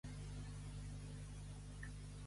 Voler el gos i el collar.